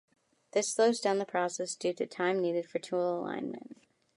This slows down the process due to time needed for tool alignment.